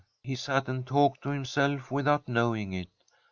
He sat and talked to himself without knowing it.